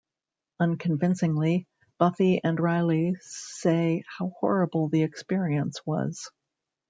Unconvincingly, Buffy and Riley say how horrible the experience was.